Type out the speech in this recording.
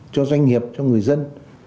cho doanh nghiệp cho người dân